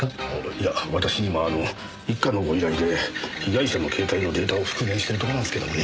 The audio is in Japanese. いや私今一課のご依頼で被害者の携帯のデータを復元してるところなんですけどもね。